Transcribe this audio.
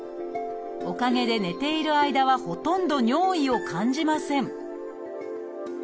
おかげで寝ている間はほとんど尿意を感じません